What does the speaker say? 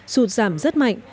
sụt giảm rất mạnh